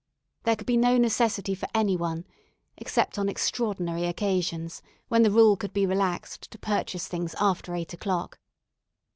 There could be no necessity for any one, except on extraordinary occasions, when the rule could be relaxed, to purchase things after eight o'clock.